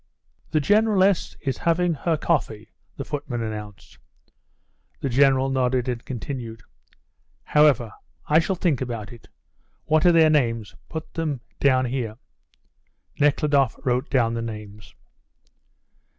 "The Generaless is having her coffee," the footman announced. The General nodded and continued: "However, I shall think about it. What are their names? Put them down here." Nekhludoff wrote down the names.